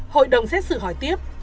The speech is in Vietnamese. hội đồng xét xử hỏi tiếp